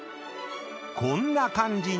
［こんな感じに］